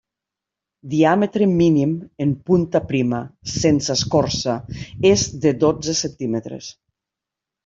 Diàmetre mínim en punta prima, sense escorça, és de dotze centímetres.